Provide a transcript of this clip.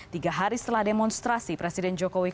tiga hari setelah demonstrasi presiden joko widodo